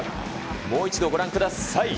もう一度ご覧ください。